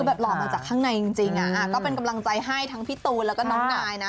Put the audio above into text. แบบหล่อมาจากข้างในจริงก็เป็นกำลังใจให้ทั้งพี่ตูนแล้วก็น้องนายนะ